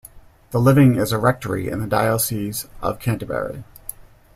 The living is a rectory in the diocese of Canterbury.